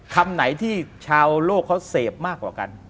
คำไหนที่ชาวโลกเขาเสพมากกว่ากัน